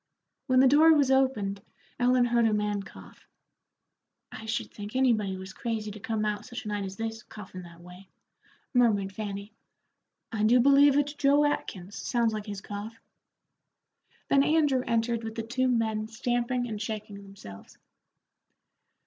When the door was opened Ellen heard a man cough. "I should think anybody was crazy to come out such a night as this, coughin' that way," murmured Fanny. "I do believe it's Joe Atkins; sounds like his cough." Then Andrew entered with the two men stamping and shaking themselves.